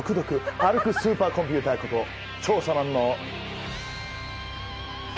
歩くスーパーコンピューターこと調査マンの忌憚。